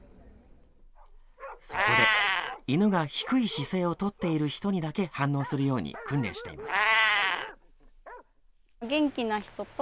そこで、犬が低い姿勢をとっている人にだけ反応するように訓練しています。